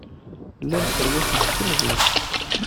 Llant sserwatent timẓin.